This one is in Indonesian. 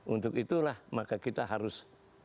untuk itulah maka kita harus